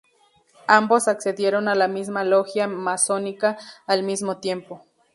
Ambos accedieron a la misma logia masónica al mismo tiempo.